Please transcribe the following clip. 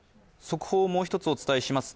速報をもう一つお伝えします。